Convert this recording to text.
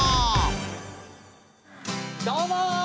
どうも！